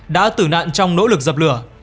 đã tử nạn trong nỗ lực dập lửa